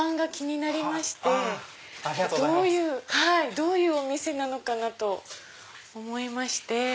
どういうお店なのかなと思いまして。